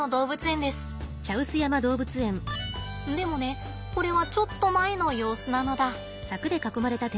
でもねこれはちょっと前の様子なのだ。